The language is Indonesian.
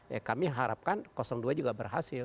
ya kami harapkan dua juga berhasil